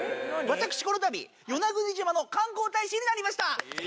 私このたび与那国島の観光大使になりました。